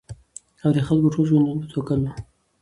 او د خلکو ټول ژوندون په توکل وو